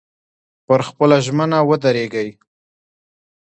پر خپله ژمنه ودرېږئ.